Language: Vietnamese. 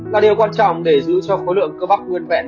là điều quan trọng để giữ cho khối lượng cơ bắp nguyên vẹn